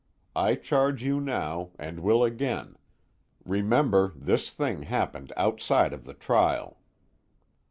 I charge you now, and will again: remember this thing happened outside of the trial."